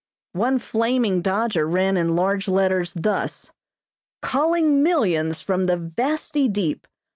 One flaming dodger ran in large letters thus: "Calling millions from the vasty deep.